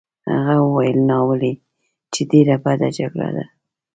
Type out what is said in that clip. هغه وویل: ناولې! چې ډېره بده جګړه ده.